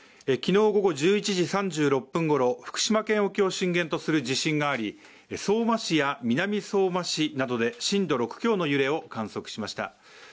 昨日午後１１時３６分頃、福島県沖を震源とする地震があり相馬市や南相馬市などで震度６強の揺れを観測しました。